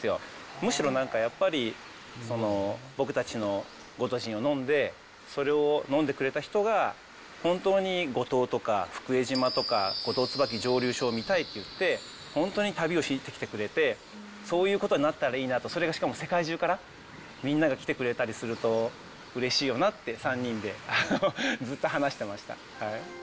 むしろなんかやっぱり、僕たちのゴトジンを飲んで、それを飲んでくれた人が、本当に五島とか福江島とか、五島つばき蒸溜所を見たいって言って、本当に旅をしに来てくれて、そういうことになったらいいなと、それがしかも世界中から、みんなが来てくれたりすると、うれしいよなって３人でずっと話してました。